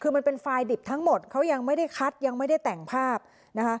คือมันเป็นไฟล์ดิบทั้งหมดเขายังไม่ได้คัดยังไม่ได้แต่งภาพนะคะ